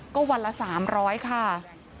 ก็วันละ๓๐๐ค่ะ